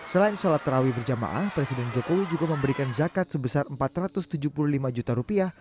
selain sholat tarawih berjamaah presiden jokowi juga memberikan zakat sebesar empat ratus tujuh puluh lima juta rupiah